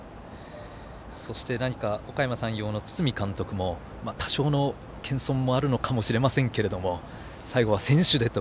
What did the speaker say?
そして、おかやま山陽の堤監督も多少の謙遜もあるのかもしれませんけれども最後は、選手でと。